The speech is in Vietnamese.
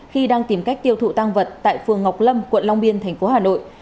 khi đang tìm cách tiêu thụ tăng vật tại phường ngọc lâm quận long biên thành phố hà nội